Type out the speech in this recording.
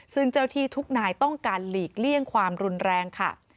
ซึ่งเจ้าที่ทุกนายต้องการหลีกเลี่ยงความรุนแรงค่ะ